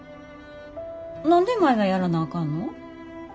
何で舞がやらなあかんの？